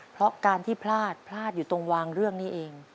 เพราะการที่พลาดพลาดอยู่ตรงวางเรื่องนี้เอง